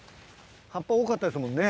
葉っぱ多かったですもんね。